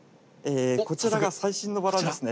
こちらが最新のバラですね。